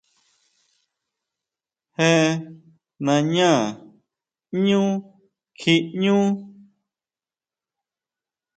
¿Jé nañá ʼñú kjiñú?